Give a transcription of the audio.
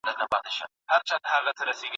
استاد د یوه مشر غوندې مرسته کوي.